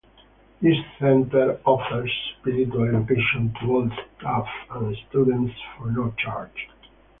This center offers spiritual education to all staff and students for no charge.